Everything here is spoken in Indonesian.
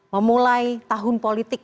memulai tahun politik